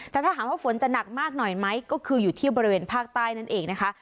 แต่ถ้าถามว่าฝนจะหนักมากหน่อยไหมก็คืออยู่ที่บริเวณภาคใต้นั่นเองนะคะ